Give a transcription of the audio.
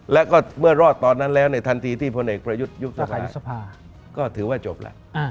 แล้วก็เมื่อรอดตอนนั้นแล้วในทันทีที่พลเอกประยุทธ์ยุบสภาก็ถือว่าจบแล้ว